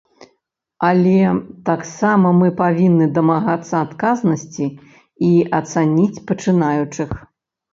Але таксама мы павінны дамагацца адказнасці і ацаніць пачынаючых.